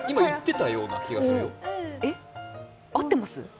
合ってます？